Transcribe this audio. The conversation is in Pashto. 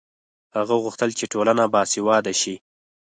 هغه غوښتل چې ټولنه باسواده شي.